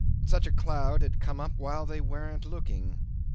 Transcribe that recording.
Such a cloud had come up while they weren't looking.